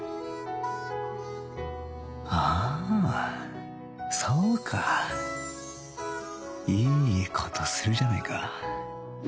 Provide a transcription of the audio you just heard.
あそうかいい事するじゃないか